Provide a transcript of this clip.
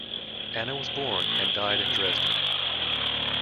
Anna was born and died in Dresden.